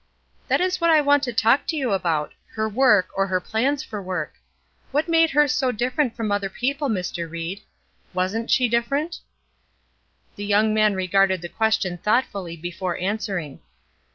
"That is what I want to talk about, her work, or her plans for work. What made her so different from other people, Mr. Ried. Wasn't she different?" The young man regarded the question thoughtfully before answering.